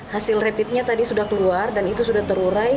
hasil rapidnya tadi sudah keluar dan itu sudah terurai